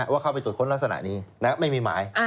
เข้าไปตรวจค้นลักษณะนี้ไม่มีหมาย